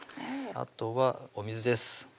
あとはお水です